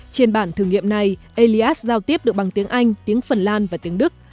trên bản thử nghiệm này eliat giao tiếp được bằng tiếng anh tiếng phần lan và tiếng đức